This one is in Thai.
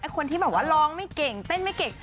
คนที่แบบว่าร้องไม่เก่งเต้นไม่เก่ง